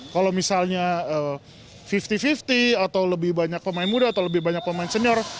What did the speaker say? kalau misalnya lima puluh lima puluh atau lebih banyak pemain muda atau lebih banyak pemain senior